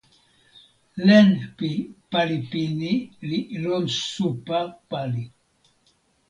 len pi pali pini li lon supa pali.